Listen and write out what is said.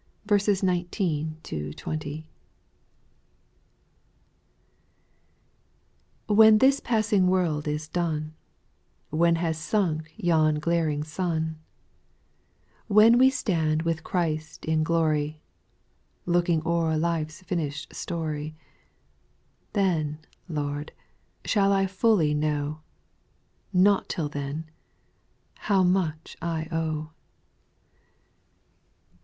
19 20. ], TITHEN this passing world is done, T T When has sunk yon glaring sun, When we stand with Christ in glorv, Looking o'er life's finished story, Then, Lord, shall I fully know, — J^ot till then, — how much I owe.